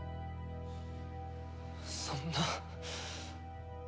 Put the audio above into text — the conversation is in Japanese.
そんな。